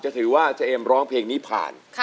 ถือว่าเจเอ็มร้องเพลงนี้ผ่าน